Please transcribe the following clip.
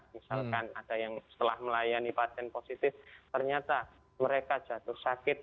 misalkan ada yang setelah melayani pasien positif ternyata mereka jatuh sakit